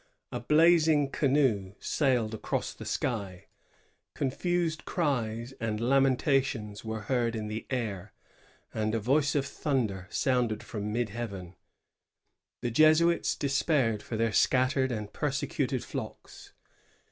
A blazing canoe sailed across the sky; confused cries and lamentations were heard in the air; and a voice of thunder sounded from mid heaven.^ The Jesuits despaired for their scattered and persecuted flocks.